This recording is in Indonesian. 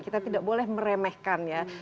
kita tidak boleh meremehkan ya